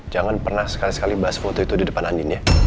jangan pernah sekali sekali bahas foto itu di depan anginnya